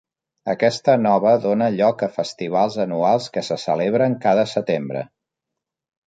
Aquesta nova dóna lloc a festivals anuals que se celebren cada setembre.